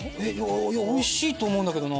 おいしいと思うんだけど。